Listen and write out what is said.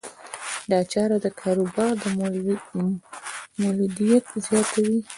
دا چاره د کاروبار مولدیت زیاتوي.